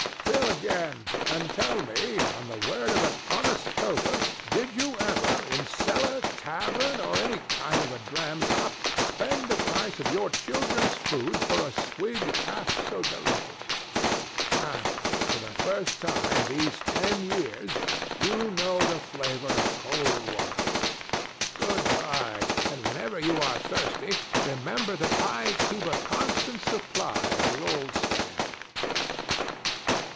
Fill again, and tell me, on the word of an honest toper, did you ever, in cellar, tavern, or any kind of a dram shop, spend the price of your children's food for a swig half so delicious? Now, for the first time these ten years, you know the flavor of cold water. Good bye; and whenever you are thirsty, remember that I keep a constant supply at the old stand.